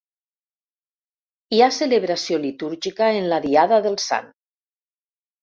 Hi ha celebració litúrgica en la diada del Sant.